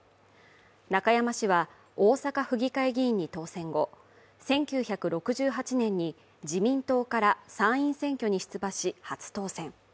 中山氏は大阪府議会議員に当選後、１９６８年に自民党から参院選挙に出馬し初当選。